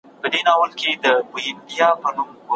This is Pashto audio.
موږ باید د پخوانیو شاعرانو په سبکونو څېړنه وکړو.